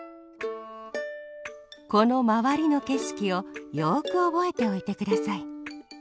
このまわりのけしきをよくおぼえておいてください。